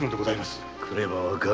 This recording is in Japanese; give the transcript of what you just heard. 来れば分かる